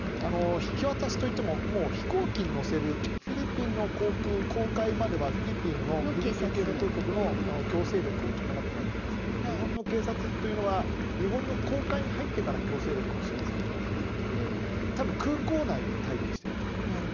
引き渡しといっても飛行機に乗せるフィリピンの公海まではフィリピン警察当局の強制力を伴ってやっていますので日本の警察というのは日本の航海に入ってから強制力を示すことができるので多分、空港内で待機していると思いますね。